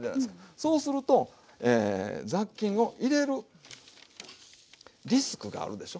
そうすると雑菌を入れるリスクがあるでしょ。